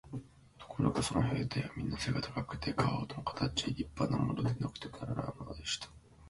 ところがその兵隊はみんな背が高くて、かおかたちの立派なものでなくてはならないのでした。